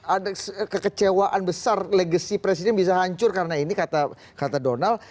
ada kekecewaan besar legacy presiden bisa hancur karena ini kata donald